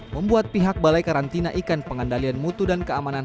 membuat pihak balai karantina ikan pengendalian mutu dan keamanan